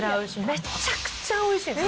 めちゃくちゃおいしいの。